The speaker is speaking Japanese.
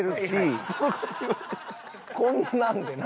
こんなんでな。